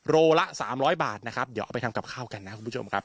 โลละ๓๐๐บาทนะครับเดี๋ยวเอาไปทำกับข้าวกันนะครับคุณผู้ชมครับ